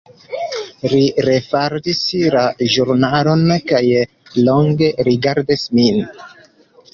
Li refaldis la ĵurnalon kaj longe rigardis min.